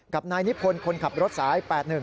กับนายนิพนธ์คนขับรถสาย๘๑